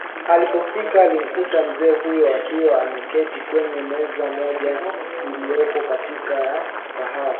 Alipofika alimkuta mzee huyo akiwa ameketi kwenye meza moja ilioko katikati ya mgahawa